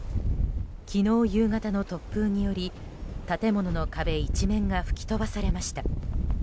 昨日夕方の突風により建物の壁一面が吹き飛ばされました。